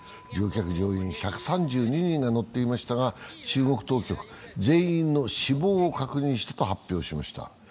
乗客・乗員１３２人が乗っていましたが中国当局、全員の死亡を確認したと発表しました。